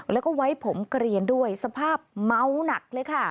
แล้วก็ไว้ผมเกลียนด้วยสภาพเมาหนักเลยค่ะ